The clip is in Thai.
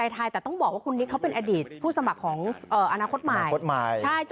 แต่ต้องบอกว่าคุณนิ้กเขาเป็นอดีตผู้สมัครของอนาคตหมาย